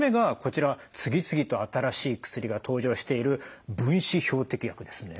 次々と新しい薬が登場している分子標的薬ですね。